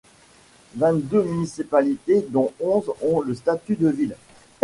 Vingt-deux municipalités dont onze ont le statut de villes.